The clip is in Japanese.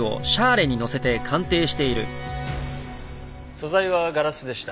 素材はガラスでした。